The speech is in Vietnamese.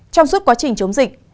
trong suốt quá trình chống dịch